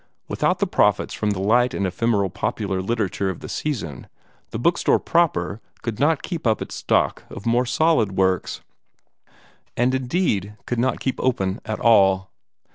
Without the profits from the light and ephemeral popular literature of the season, the book store proper could not keep up its stock of more solid works, and indeed could not long keep open at all.